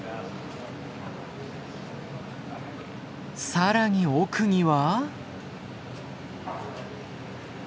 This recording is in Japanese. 更に奥には。